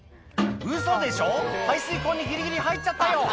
「ウソでしょ排水溝にギリギリ入っちゃったよ」